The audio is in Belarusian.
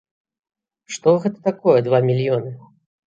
Што гэта такое два мільёны?